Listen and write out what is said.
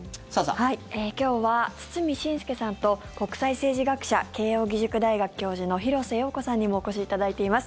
今日は堤伸輔さんと国際政治学者慶應義塾大学教授の廣瀬陽子さんにもお越しいただいています。